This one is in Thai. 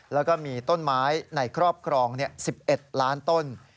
แล้วก็มีต้นไม้ในครอบครอง๑๑ล้านต้น